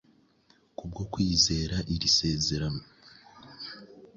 Kubwo kwizera iri sezerano